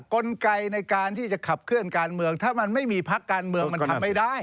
กลไกในการที่จะขับเคลื่อนการเมืองถ้ามันไม่มีพักการเมืองมันทำไม่ได้